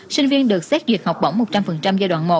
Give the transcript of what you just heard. sinh viên được xét duyệt học bổng một trăm linh giai đoạn một